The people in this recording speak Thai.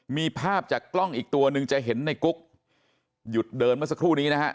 มีภาพจากกล้องอีกตัวหนึ่งจะเห็นในกุ๊กหยุดเดินเมื่อสักครู่นี้นะฮะ